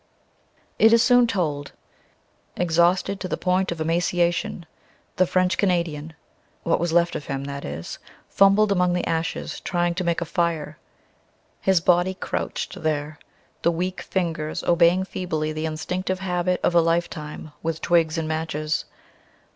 It is soon told. Exhausted to the point of emaciation, the French Canadian what was left of him, that is fumbled among the ashes, trying to make a fire. His body crouched there, the weak fingers obeying feebly the instinctive habit of a lifetime with twigs and matches.